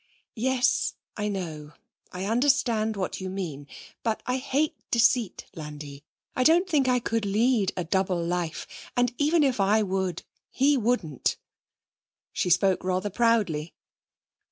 'Yes, I know. I understand what you mean. But I hate deceit, Landi. I don't think I could lead a double life. And even if I would, he wouldn't!' She spoke rather proudly.